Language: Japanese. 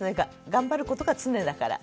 頑張ることが常だから。